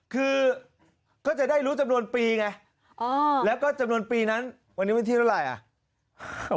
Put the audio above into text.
คือก็จะได้รู้จำนวนปีไงแล้วก็จำนวนปีนั้นวันนี้วันที่เท่าไหร่อ่ะ